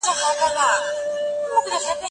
شاګرد باید تل د خپل استاد احترام وکړي.